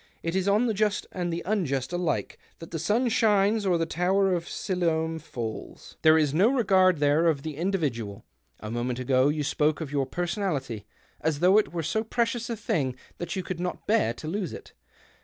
It is on the just and the unjust alike that the sun shines or the tower of Siloam falls. There is no regard there of the individual. A moment ago you spoke of your personality as though it were so precious a thing that you could not l^ear to lose it.